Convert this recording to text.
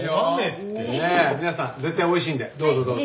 皆さん絶対おいしいんでどうぞどうぞ。